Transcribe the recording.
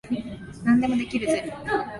何でもできるぜ。